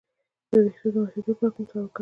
د ویښتو د ماتیدو لپاره کوم تېل وکاروم؟